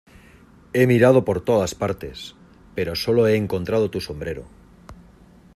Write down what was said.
He mirado por todas partes, pero sólo he encontrado tu sombrero.